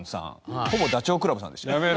ほぼダチョウ倶楽部さんでした。